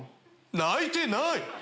泣いてない！